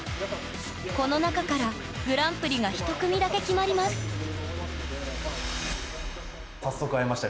この中からグランプリが１組だけ決まります早速会えました。